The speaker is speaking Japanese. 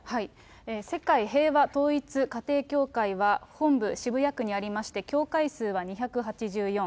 世界平和統一家庭教会は、本部、渋谷区にありまして、教会数は２８４。